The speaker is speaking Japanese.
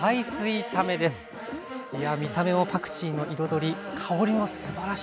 いや見た目もパクチーの彩り香りもすばらしいです。